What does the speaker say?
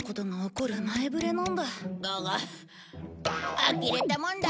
あきれたもんだ！